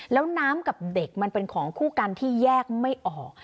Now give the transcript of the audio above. แล้วน้ำกับเด็กมันเป็นของคู่กันที่แยกไม่ออก